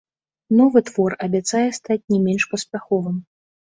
Новы твор абяцае стаць не менш паспяховым.